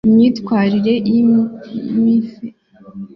Imyitwerire n’Imyifetire myitwerire n’Imyifetire